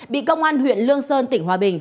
bị công an huyện lương sơn tỉnh hòa bình